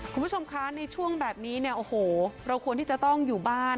คุณผู้ชมคะในช่วงแบบนี้เนี่ยโอ้โหเราควรที่จะต้องอยู่บ้าน